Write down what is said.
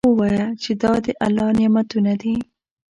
ووایه چې دا د الله نعمتونه دي.